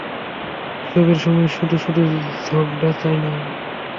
উৎসবের সময় শুধু-শুধু ঝগড়া চাই না আমি।